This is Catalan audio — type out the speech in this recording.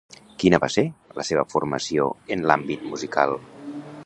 Quina va ser la seva formació en l'àmbit musical?